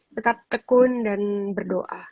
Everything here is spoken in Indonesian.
tetep tekun dan berdoa